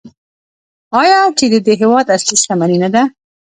آیا چې د دې هیواد اصلي شتمني نه ده؟